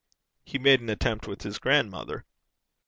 He made an attempt with his grandmother.